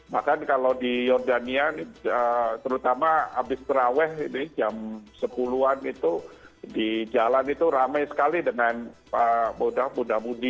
bahkan kalau di jordania terutama habis terawet jam sepuluh an itu di jalan itu ramai sekali dengan buddha buddha budi